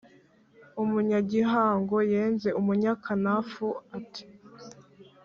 umunyagihango yenze umunyakanapfu ati